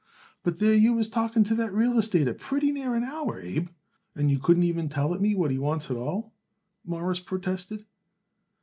"But there you was talking to that real estater pretty near an hour, Abe, and you couldn't even tell it me what he wants at all," Morris protested.